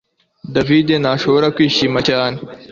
David ntashobora kwishima cyane